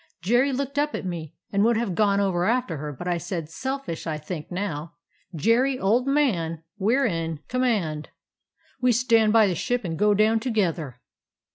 "Jerry looked up at me, and would have gone over after her; but I said, — selfish, I think now, — 'Jerry, old man, we 're in com mand; we stand by the ship and go down to gether.